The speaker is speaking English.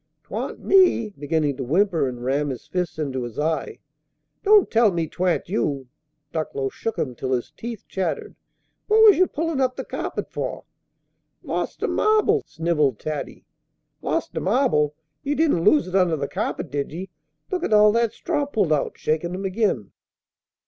"'Twan't me!" beginning to whimper and ram his fists into his eyes. "Don't tell me 'twan't you!" Ducklow shook him till his teeth chattered. "What was you pullin' up the carpet for?" "Lost a marble!" sniveled Taddy. "Lost a marble! Ye didn't lose it under the carpet, did ye? Look at all that straw pulled out!" shaking him again.